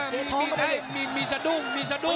มีท้องก็ได้มีท้องก็ได้มีสดุ้งมีสดุ้ง